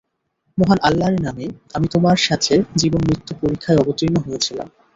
মহান আল্লাহর নামে আমি তোমার সাথে জীবন-মৃত্যু পরীক্ষায় অবতীর্ণ হয়েছিলাম।